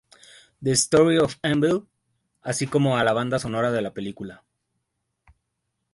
The Story of Anvil"", así como a la banda sonora de la película.